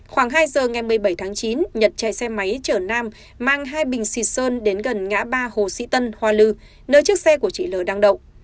khoảng hai giờ ngày một mươi bảy tháng chín nhật chạy xe máy chở nam mang hai bình xịt sơn đến gần ngã ba hồ sĩ tân hoa lư nơi chiếc xe của chị l đang đậu